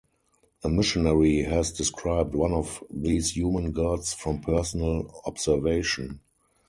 A missionary has described one of these human gods from personal observation.